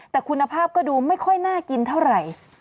แต่คุณภาพก็ดูไม่ค่อยน่ากินเท่าไหร่